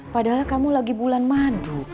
padahal kamu lagi bulan madu